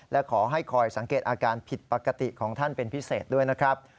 และขอให้คอยสังเกตอาการผิดปกติของท่านเป็นพิเศษด้วยนะครับ